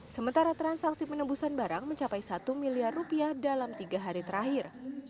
sementara transaksi penembusan barang mencapai satu miliar rupiah dalam tiga hari terakhir